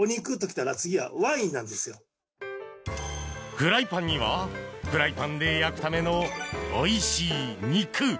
フライパンにはフライパンで焼くためのおいしい肉。